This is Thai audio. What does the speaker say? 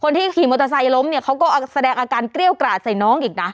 ที่ขี่มอเตอร์ไซค์ล้มเนี่ยเขาก็แสดงอาการเกรี้ยวกราดใส่น้องอีกนะ